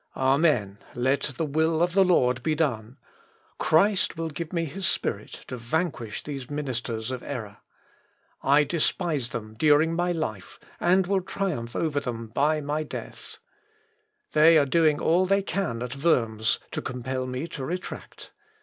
Amen! Let the will of the Lord be done. Christ will give me his Spirit to vanquish these ministers of error. I despise them during my life, and will triumph over them by my death. They are doing all they can at Worms, to compel me to retract.